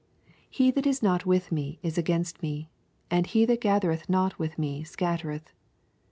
23 He that is not with me is against me : and he that gathereth not with me scattereth.